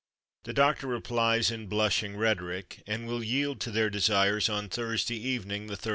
The doctor replies in blushing rhetoric, and will yield to their desires on Thursday evening, the 32d.